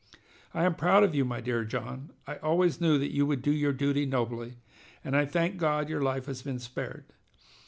"I am proud of you, my dear John. I always knew you would do your duty nobly, and I thank God your life has been spared.